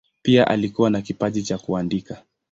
Pia alikuwa na kipaji cha kuandika.